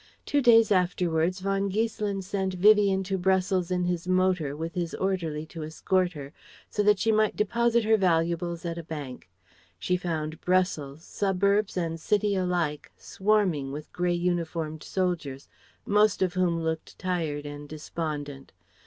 Two days afterwards, von Giesselin sent Vivie into Brussels in his motor, with his orderly to escort her, so that she might deposit her valuables at a bank. She found Brussels, suburbs and city alike, swarming with grey uniformed soldiers, most of whom looked tired and despondent.